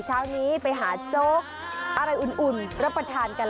เช้านี้ไปหาโจ๊กอะไรอุ่นรับประทานกัน